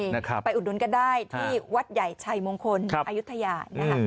ใช่ไปอุดนูนก็ได้ที่วัดใหญ่ชายมงคลอายุทยา